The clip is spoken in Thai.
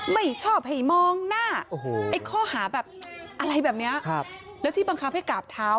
ไม่ชอบให้มองหน้าไอ้ข้อหาแบบอะไรแบบนี้แล้วที่บังคับให้กราบเท้า